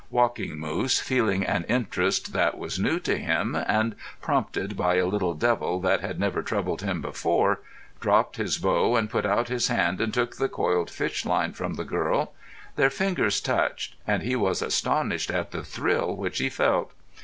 Walking Moose, feeling an interest that was new to him, and prompted by a little devil that had never troubled him before, dropped his bow and put out his hand and took the coiled fish line from the girl. Their fingers touched—and he was astonished at the thrill which he felt.